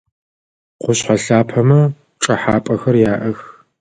Къушъхьэ лъапэмэ чӏэхьапэхэр яӏэх.